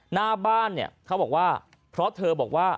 หน้าบ้านเนี่ยเขาบอกว่าเพราะเธอบอกว่า